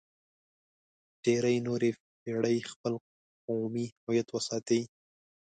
ډېرې نورې پېړۍ خپل قومي هویت وساتئ.